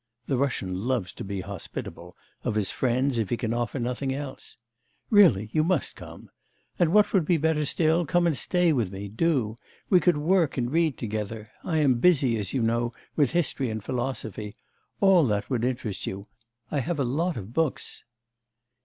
[The Russian loves to be hospitable of his friends if he can offer nothing else.] Really, you must come. And what would be better still, come and stay with me, do. We could work and read together.... I am busy, as you know, with history and philosophy. All that would interest you. I have a lot of books.